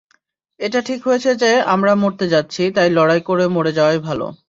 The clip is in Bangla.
এটা ঠিক হয়েছে যে আমরা মরতে যাচ্ছি, তাই লড়াই করে মরে যাওয়াই ভালো।